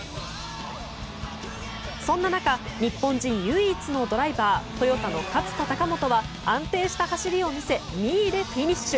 そんな中日本人唯一のドライバートヨタの勝田貴元は安定した走りを見せ２位でフィニッシュ。